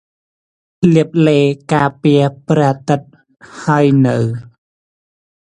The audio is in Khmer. លាបឡេការពារព្រះអាទិត្យហើយនៅ?